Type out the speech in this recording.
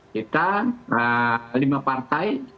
kita lima partai